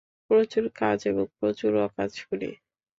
প্রচুর কাজ এবং প্রচুর অকাজ করি।